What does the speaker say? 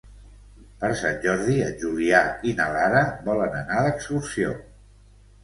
Per Sant Jordi en Julià i na Lara volen anar d'excursió.